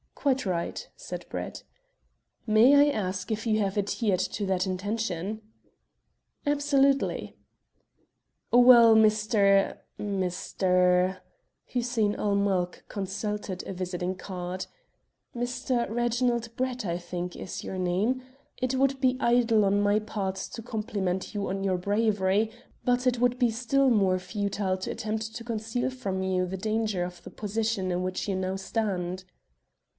"Quite right," said Brett. "May I ask if you have adhered to that intention?" "Absolutely." "Well, Mr. Mr." Hussein ul Mulk consulted a visiting card "Mr. Reginald Brett, I think, is your name? It would be idle on my part to compliment you on your bravery, but it would be still more futile to attempt to conceal from you the danger of the position in which you now stand."